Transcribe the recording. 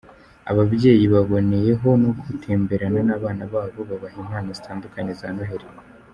Ababyeyi baboneyeho no gutemberana n’abana babo babaha Impano zitandukanye za Noheri.